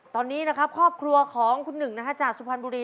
ตอนนี้นะครับครอบครัวของคุณหนึ่งนะฮะจากสุพรรณบุรี